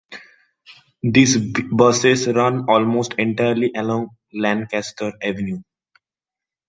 These buses run almost entirely along Lancaster Avenue.